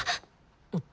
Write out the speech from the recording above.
おっと。